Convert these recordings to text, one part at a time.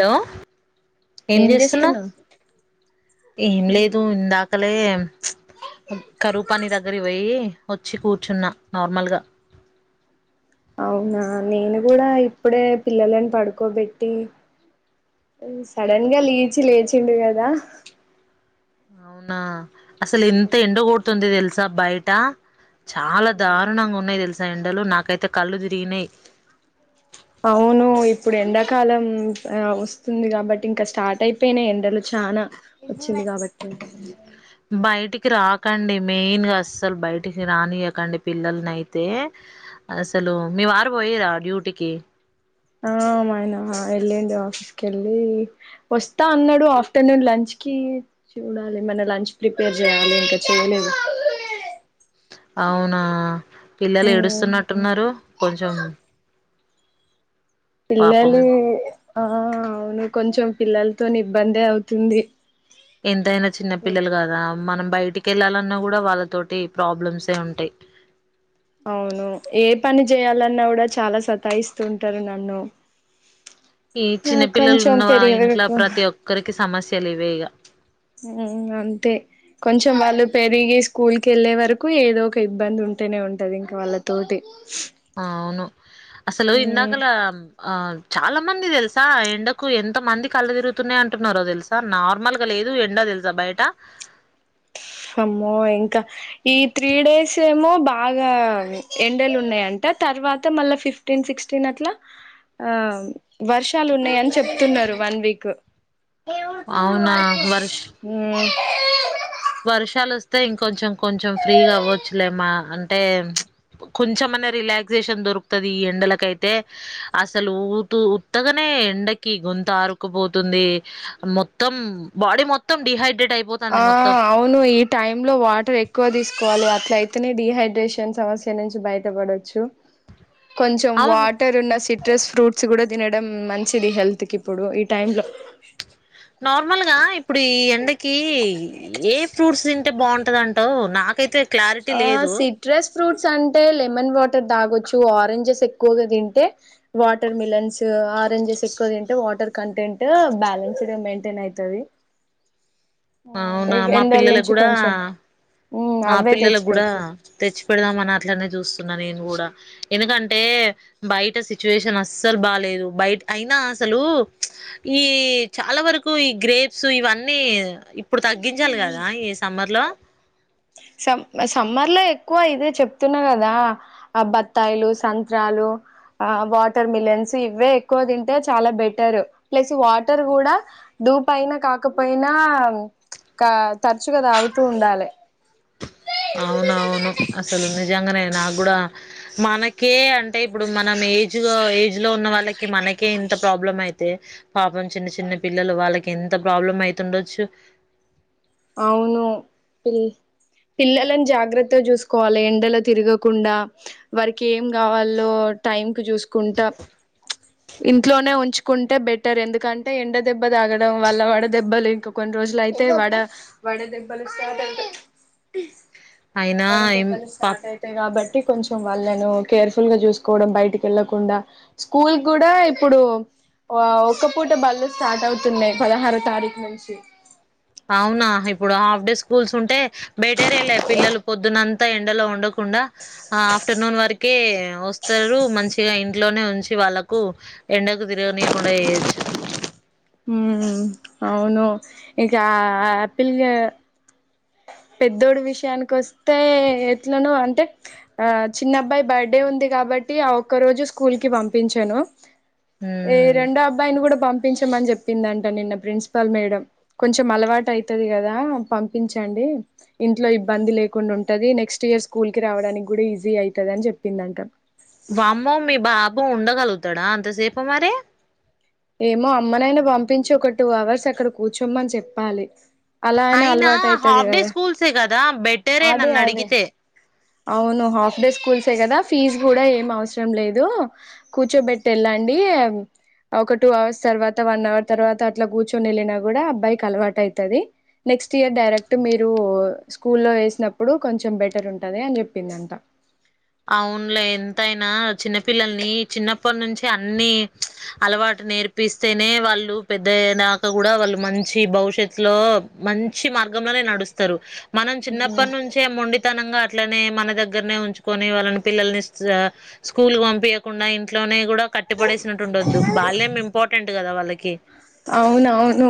Hello ఏం చేస్తున్నావు ఏం లేదు ఇందాక కలి కరూపని దగ్గర పోయి వచ్చి కూర్చున్నా నార్మల్గా అవునా నేను కూడా ఇప్పుడే పిల్లలను పడుకోబెట్టి సడన్ గా లేలీచి లేచిండు కదా. అవునా అసలు ఇంత ఎండ గోడుతుందో తె స బయట చాలా దారుణంగా ఉన్నాయి తెలుసు ఎండలు నాకైతే కళ్ళు తిరిగినాయి. అవును ఇప్పుడు ఎండాకాలం వస్తుంది. కాబట్టి ఇంకా స్టార్ట్ అయిపోయిన ఎండలు చనా బయటికి రాక క్కండి మెయిన్ గా అస్సలు బయటికి రానియకండి. పిల్లల్ని అయితే అసలు మీ వారు పోయిరా డ్యూటీకి ఆ మయనా వెళ్ళండి ఆఫీస్ క వెళ్ళి వస్తా అన్నాడు ఆఫ్టర్నూన్ లంచ్ కి చూడాలి ఏమన్నా లంచ్ ప్రిపేర్ చేయాలి ఇంకా చేయలేదు అవునా పిల్లలు ఉమ్ ఏడుస్తున్నట్టున్నారు కొంచం పిల్లాల ఆ అవును కొంచెం పిల్లలతో ఇబ్బందే అవుతుంది ఎంతైనా చిన్న పిల్లలు కదా మనం బయటికి వెళ్ళాలన్నా కూడా వాళ్ళతోటి ప్రాబ్లమ్సే ఉంటాయి అవును ఏ పని చేయాలన్నా కూడా చాలా సతాయిస్తూ ఉంటారు నన్ను ఈ ఆ చిన్న పిల్లలు కొంచెం ఉన్న పెరిగే ఇంట్లో వరకు ప్రతి ఒక్కరికి సమస్య చలివేగా అంతే కొంచెం వాళ్ళు పెరిగి స్కూల్ క వెళ్ళే వరకు ఏదో ఒక ఇబ్బంది ఉంటేనే ఉంటది ఇంకా వాళ్ళ తోటి అవును అసలు ఉమ్ ఇందాకల ఆ చాలా ఎంతమంది తెలుసా ఎండకు ఎంత మంది కళ్ళ తిరుగుతున్నాయ అంటున్నారో తెలుసా నార్మల్గా లేదు ఎండ తెలుసా బయట అమ్మో ఇంకా ఈ త్రీ డేస్ ఏమో బాగా ఎండలు ఉన్నాయంట తర్వాత మళ్ళా ఫిఫ్టీన్ సిక్స్టీన్ అట్లా ఆ వర్షాలు ఉన్నాయని చెప్తున్నారు వన్ వీక్ ఏ అవునా వర్ష వర్షాలు వస్తే ఇంకొంచెం కొంచెం ఫ్రీగా అవ్వచ్చులేమా అంటే కొంచెమనే రిలాక్సేషన్ దొరుకుతుది ఈ ఎండలకైతే అసలు ఊత ఉత్తగానే ఎండకి గుొంత ఆరుకుపోతుంది మొత్తం బాడీ మొత్తం డిహైడ్రేట్ అయిపోతుంది ఆ మొత్తం అవును ఈ టై లో వాటర్ ఎక్కువ తీసుకోవాలి అట్ల అయితేనే డిహైడ్రేషన్ సమస్య నుంచి బయటపడచ్చు కొంచెం అవును వాటర్ ఉన్న సిట్రస్ ఫ్రూట్స్ కూడా తినడం మంచిది హెల్త్కి ఇప్పుడు ఈ టైంలో నార్మల్గా ఇప్పుడు ఈ ఎండకి ఏ ఫ్రూట్స్ తింటే బాగుంటది అంటావు నాకైతే క్లారిటీ ఆ లేదు సిట్రస్ ఫ్రూట్స్ అంటే లెమన్ వాటర్ తాగొచ్చు ఆరెంజెస్ ఎక్కువగా తింటే వాటర్ మిలన్స్ ఆరెంజెస్ ఎక్కువ తంటే వాటర్ కంటెంట్ బ్యాలెన్స్డ్ తేనైతాది అవునా మా పిల్లలకు కూడా కొంచెం మా అవే పిల్లలకు కూడా తెచ్చిపెట్టు తెచ్చి పెడదాం అట్లనే చూస్తున్నా నేను కూడా ఎందుకంటే బయట సిచ్యుయేషన్ అస్సలు బాేదు బయట అయినా అసలు ఈ చాలా వరకు ఈ గ్రేప్స్ ఇవన్నీ ఇప్పుడు తగ్గించాలి కదా ఈ సమ్మర్ లో సమ్ సమ్మర్ లో ఎక్కువ ఇదే చెప్తున్నా కదా ఆ బత్తాయిలు సంత్రాలు ఆ వాటర్ మిలన్స్ ఇవే ఎక్కువ తింటే చాలా బెటర్ ప్లస్ వాటర్ కూడా డూ పయిైన కాకపోయినా తరచుగా తాగుతూ ఉండాలి అవునవును అసలు నిజంగానే నాకు కూడా మనకే అంటే ఇప్పుడు మనం ఏజ్ ఏజ్ లో ఉన్న వాళ్ళకి మనకే ఇంత ప్రాబ్లం అయితే పాపం చిన్న చిన్న పిల్లలు వాళ్ళకి ఎంత ప్రాబ్లం అయితు ఉండొచ్చు అవును పిల్ పిల్లలని జాగ్రత్త చూసుకోవాలి ఎండలో తిరగకుండా వారికి ఏం కావాలో టైం కు చూసుకో పుకుంటా ఇంట్లోనే ఉంచుకుంటే బెటర్ ఎందుకంటే ఎండ దెబ్బ తాగడం వల్ల వడ దెబ్బలు ఇంకా కొన్ని రోజులుయితే వడ వడే దెబ్బలు స్టార్ట్ అ అయినా ఏం వడదెబ్బలు పా స్టార్ట్ అయితే ఇ బట్టి కొంచెం వాళ్ళను కేర్ఫుల్ గా చూసుకోవడం బయటికి వెళ్ళకుండా స్కూల్ కూడా ఇప్పుడు ఒ పూట బళ్లు స్టార్ట్ అవుతున్నాయి పదహారో తారీఖు నుంచి అవునా ఇప్పుడు హాఫ్ డే స్కూల్స్ ఉంటే బెటరేలే పిల్లలు పొద్దున్నంతా ఎండలో ఉండకు కుండ ఆఫ్టర్నూన్ వరకు కే వస్తారు మంచిగా ఇంట్లోనే ఉంచి వాళ్ళకు ఎండకు తిరగనీయకుండా చేయొచ్చు అవును ఇంకా ఆపిల్గా పెద్దోడు విషయానికి వస్తే ఎట్లను అంటే ఆ చిన్నబ్బాయి బర్త్డే ఉంది కాబట్టి ఆ ఒక్క రోజు స్కూల్ కి పంపించాను ఏ ఉమ్ రెండో అబ్బాయిని కూడా పంపి పంపించమని చమని చెప్పిందంట నిన్న ప్రిన్సిపాల్ మేడం కొంచెం అలవాటు అయితుంది కదాం పించండి ఇంట్లో ఇబ్బంది లేకుండా ఉంటది నెక్స్ట్ ఇయర్ స్కూల్ కి రావడానికి కూడా ఈజీ అయితది అని చెప్పిందంట బమ్మ మీ బాబు ఉండగలుగుతాడా అంతసేప మరే ఏమో అమ్మనైనా పంపించి ఒక టూ అవర్స్ అక్కడ కూర్చోమ్మని చెప్పాలి అలా అయినా అలవాటు అయితది హాఫ్ డే కదా స్కూల్సే కదా బెటరే అదే నన్ను అదే అడిగితే అవును హాఫ్ డే స్కూల్సే కదా ఫీజు కూడా ఏం అవసరం లేదు కూర్చోబెట్టి వెళ్ళండి ఒక టూ అవర్స్ తర్వాత వన్ అవర్ తర్వాత అట్లా కూర్చొని వెళ్ళినా కూడా అబ్బాయికి అలవాటు అవుతుంది నెక్స్ట్ ఇయర్ డైరెక్ట్ మీరు స్కూల్లో వేసినప్పుడు కొంచెం బెటర్ ఉంటుంది ఉంటదే అని చెప్పింది అంత అవునులే ఎంతయినా చిన్నపిిల్లల్ని చిన్నప్పటి నుంచి అన్ని అలవాటు నేర్పిస్తేనే వాళ్ళు పెద్దయ్య దాకా కూడా వాళ్ళు మంచి భవిష్యత్తులో మంచి మార్గ లో నడుస్తారు మనం ఉమ్ చిన్నప్పటి నుంచే మొండితనంగా అట్లనే మన దగ్గర అక్కడనే వుంచు కని వాళ్ళని పిల్లల్ని స్కూల్ పంపించకుండా ఇంట్లోనే కూడా కట్టి పడేసినటు ఉండొద్దు బాల్యం ఇంపార్ ఫ్రెండ్ కదా వాళ్ళకి అవునవును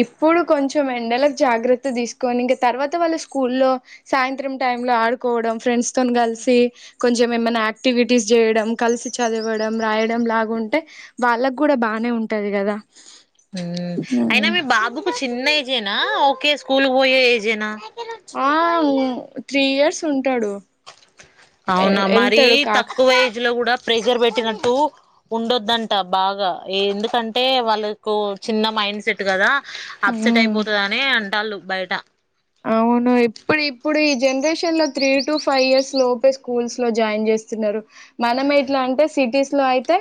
ఇప్పుడు కొంచెం ఎండలకు జాగ్రత్త తీసుకొని ఇంకా తర్వాత వాళ్ళ స్కూల్లో సాయంత్రం టైమ్ లో ఆడుకోవడం ఫ్రెండ్స్ తో కలిసి కొంచెం ఏమైనా యాక్టివిటీస్ చేయడం కలిసి చదవడం రాయడం లాగుంటే వాళ్ళకు కూడా బానే ఉంటది కదా అయినా మీ బాబుకు చిన్న ఏజేనా ఓకే స్కూల్ పోయ ఏజేనా ఆ త్రీ ఇయర్స్ ఉంటాడు అవునా మరి ఎళ్తాడు కాక తక్కువ ఎజ్ లో కూడా ప్రేకర్ పెట్టినట్టు ఉండొద్దంట బాగా ఎందుకంటే వాళ్ళకు చిన్న మైండ్ సెట్ కదా అప్సెట్ ఉమ్ అయిపోతుందిని అే నాలాగా బయట అవును ఇప్పుడు ఇప్పుడు ఈ జనరేషన్ లో త్రీ టు ఫైవ్ ఇయర్స్ లోపే స్కూల్స్ లో జాయిన్ చేస్తున్నారు మనం ఎట్లా అంటే సిటీస్ లో అయితే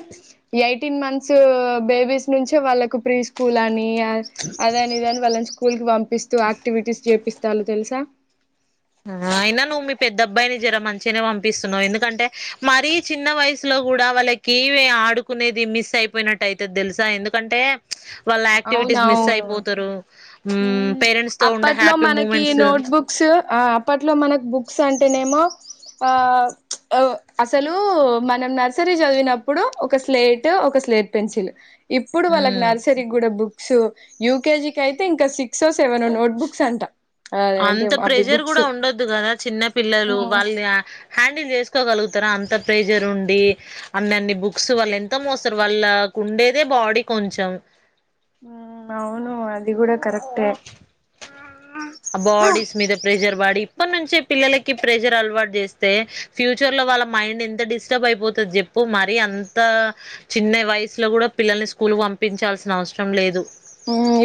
ఐ ఫిఫ్టీన్ మంత్స్ బేబీస్ నుంచే వాళ్ళకు ప్రీ స్కూల్ అని అదానిదా వళ్న్ ఫల్గం వ క్టివిటీస్ చేపిస్తాను తెలుసా అయినా నువ్వు మీ పెద్ద అబ్బాయిని జర మంచిగానే పంపిస్తున్నావు ఎందుకంటే మరీ చిన్న వయసులో కూడా వాళ్ళకి ఆడుకునేది మిస్ అయిపోయినట్టు అయితే తెలుసా ఎందుకంటే వాళ్ళ యాక్టివిటీస్ మిస్ అవునవును అయిపోతారు ఊ పేరెంట్స్ తో ఉండే అప్పట్లో హ్యాపీ మనకి మూమెంట్స్ నోట్ బుక్స్ ఆ అప్పట్లో మనకు బుక్స్ అంటేనేమో ఆ అసలు మనం నర్సరీ చదివినప్పుడు ఒక స్లేట్ ఒక స్లేట్ పెన్సిల్ ఇప్పుడు వాళ్ళకి నర్సరి బుక్స్ యూకేజి క అయితే ఇంకా సిక్స్సెవెన్ నోట్ బుక్స్ అంట అదేంటి అంత అవి ప్రెషర్ బుక్స్ కూడా ఉండొద్దు కదా చిన్న పిల్లలు వాళ్ళని హ్యాండిల్ చేసుకోగలుగుతారా అంత ప్రెషర్ ఉండి అన్ని అన్ని బుక్స్ వాళ్ళు ఎంత మోస్తారు వాళ్ళకు ఉండేదే బాడీ కొంచెం అవును అది కూడాడా కరెక్టే ఆ బాడీస్ మీద ప్రెషర్ బాడి అప్పటి నుంచే పిల్లలకి ప్రెషర్ అలవాటు చేస్తే ఫ్యూచర్ లో వాళ్ళ మైండ్ ఎంత డిస్టర్బ్ అయిపోతుంది చెప్పు మరి అంత చిన్న వయసులో కూడా పిల్లల్ని స్కూల్ పంపించాల్సిన అవసరం లేదు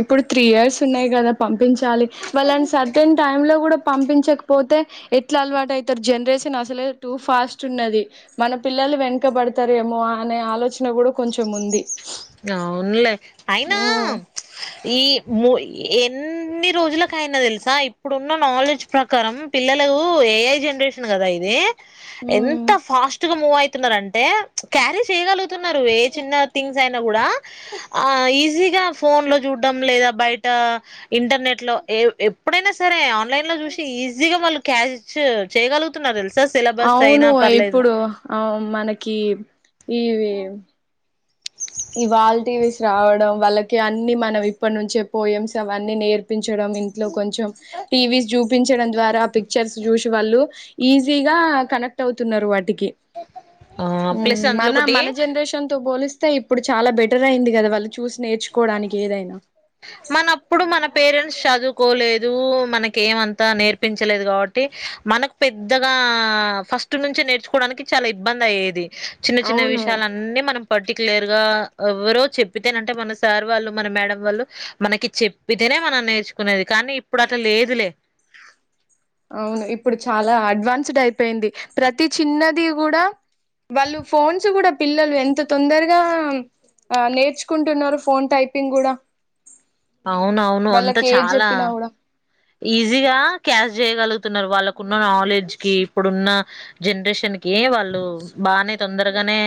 ఇప్పుడు త్రీ ఇయర్స్ ఉన్నాయి కదా పంపి పపించాలి వాళ్ళ సర్టెన్ టైమ్ లో కూడా పంపించకపోతే ఎట్లా అలవాటు అవుతారు జనరేషన్ అసలే టూ ఫాస్ట్ ఉన్నది మన పిల్లలు వెనకబడతారేమో అనే ఆలోచన కూడా కొంచెం ఉంది అవునులే అయినా హ్మ్ ఈ ఎన్ని రోజులకయినా తెలుసా ఇప్పుడున్న నాలెడ్జ్ ప్రకారం పిల్లలు ఏఐ జనరేషన్ కదా ఇది హ్మ్ ఎంత ఫాస్ట్ గా మూవ్ అయితున్న అంటే క్యారీ చేయగలుగు ఏ చిన్న థింగ్ కూడా ఈజీగా ఫోన్ లో చూడ్డం లేదా బయట ఇంటర్నెట్లో ఏ అప్పుడేనా సరే న్లైన్ లో చూసి ఈజీగా మళ్న క్యాష్ చేయగలుగుతున్నారు తెలు అవును ఇప్పుడు అ మనకి ఈ ఏ ఇవాల్ టీవీస్ రావడం వాళ్ళకి అన్ని మనం ఇప్పటి నుంచే పోయమ్స్ అవన్నీ నేర్పించడం ఇంట్లో కొంచెం టీవీస్ జూ చపించడం ద్వారా పిక్చర్స్ చూసి వాళ్ళు ఈజీగా కనెక్ట్ అవుతున్నారు వాటికి ఆ ప్లస్ అందులో మన ఒకటి మన జెనరేషన్ తూ బో ఇప్పుడు చాలా బెటర్ అయింది కదా వాళ్ళు చూసి నేర్చుకోవడానికి ఏదైనా మనప్పుడు మన పేరెంట్స్ చదువుకోలేదు మనకి ఏమంతా నేర్పించలేదు కాబట్టి మనకు పెద్దగా ఫస్ట్ నుంచి నేర్చుకోవడానికి చాలా ఇబ్బంది అయ్యేది చిన్న చిన్న అవును విషయాలన్నీ మనం పర్టిక్యులర్ గా ఎవరో చెప్పితేనంటే మనస్ సార్ వాళ్ళు మన మేడం వాళ్ళు, మనకి చెప్పితేనే మనం నేర్చుకునేది కానీ ఇప్పుడు అట్లా లేదులే‌. అవును ఇప్పుడు చాలా అడ్వాన్స్డ్ అయిపెయింది, ప్రతి చిన్నది కూడా వాళ్ళు ఫోన్స్ కూడా పిల్లలు ఎంత తొందరగా ఆ నేర్చుకుంటున్నారు, ఫోన్ టైపింగ్ కూడా అవునవును అంత వాళ్ళకి ఏది చాలా చెప్పినా కూడా ఈజీగా క్యాష్ చేయగలుగుతున్నారు. వాళ్ళకున్న నాలెడ్జ్ కి ఇప్పుడున్న జనరేషన్ కె వాళ్ళు బానే తొందరగానే,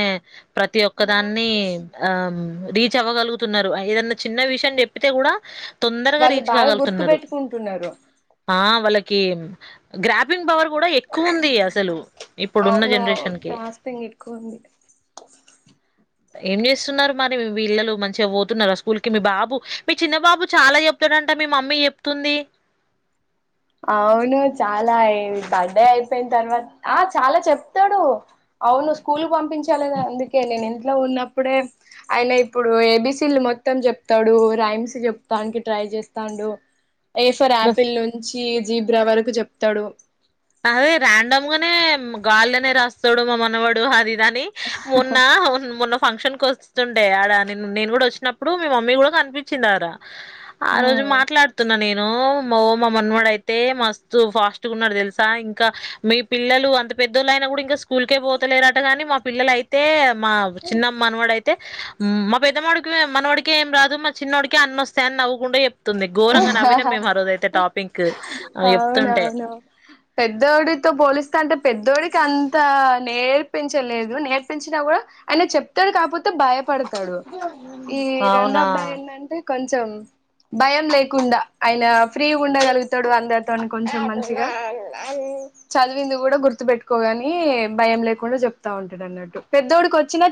ప్రతి ఒక్క దాన్ని ఆ రీచ్ అవ్వగలుగుతున్నరు, ఏదన్నా చిన్న విషయం చెప్పితే కూడా తొందరగా వాళ్ళు రీచ్ బాగా గుర్తు కాగలుగుతున్నారు పెట్టుకుంటున్నర్. ఆ వాలిక్ కి గ్రాపింగ్ పవర్ కూడా ఎక్కువుంది. అసలు ఇప్పుడు ఉన్న అవును జనరేషన్ కి గ్రాస్పింగ్ ఎక్కువ ఉంది ఏం చేస్సున్నారు మరి వీల్లలు మంచిగా పోతున్నారా, స్కూల్ కి మీ బాబు మీ చిన్న బాబు చాలా చెప్తాడంట మీ మమ్మీ చెప్తుంది. అవును చాలా ఐ బర్డే అయిపెన్ తర్వాత్, ఆ చాలా చెప్తాడు అవును స్కూల్ పంపించాలదే, అందుకే నేను ఇంట్లో ఉన్నప్పుడే, ఆయన ఇప్పుడు ఏబిసీలు మొత్తం చెప్తాడు, రైమ్స్ చెప్తానికి ట్రై చేస్తాండు. ఏఫర్ యాపిల్ ను జీబ్రా వరకు చెప్తాడు. అదే రాండమ్ గానే గాల్లెనే రాస్తాడు, మా మనవాడు అది ఇ దని మొన్నా ఉన్ మొన్న ఫంక్షన్ కో వస్తుంటే ఆడ నిన్ నేను కూడా వచ్చినప్పుడు, మీ మమ్మీ కూడా కనిపించింది ఆడ ఆ రోజు ఉమ్ మాట్లాడుతున్నా నే ను మా మనవడయితే మస్తు ఫాస్ట్ గా ఉన్నాడ్ తెల్ స ఇంకా మీ పిల్లలు అంత పెద్దోళ్ళు అయినా కూడా ఇంకా స్కూల్కే పోతలేరట కానీ మా పిల్లల అయితే మా చిన్నమ్ మనవడైయ్ తే మా పెద్దవాడికి మనవాడికేం రాదు మా చిన్నవాడికే అన్నిస్తాయని అన్నవ్ గుండెచె తుంది ఘోరంగా నవ్వినం మేము, ఆ రోజైతే టాపిక్ ఆ చెప్తుంటే అవునవును పెద్దోడితో పోలిస్తాంటే పెద్దోడికి అంతా నేర్పించలేదు, నేర్పించినా కూడా ఆయన చెప్తాడు కాకపో త భయపడతాడు. ఈ అవునా రెండోబ్బాయ్ ఏంటంటే కొంచెం భయం లేకుండా ఆయన ఫ్రీ ఉండగలుగుతాడు, అందరి తోని కొంచెం మంచిగా చదివింది‌. కూడా గుర్తు పెట్టుకోకానీ భయం లేకుండా చెప్తా ఉంటాడు అన్నట్టు, పెద్దోడికి వచ్చిన